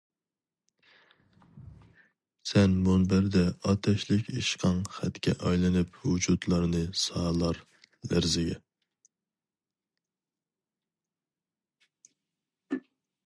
سەن مۇنبەردە ئاتەشلىك ئىشقىڭ خەتكە ئايلىنىپ ۋۇجۇدلارنى سالار لەرزىگە.